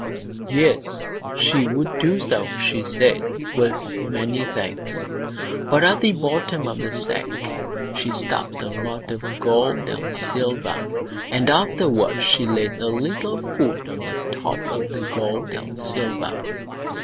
Yes! she would do so, she said, with many thanks; but at the bottom of the sack she stuffed a lot of gold and silver, and afterwards she laid a little food on the top of the gold and silver.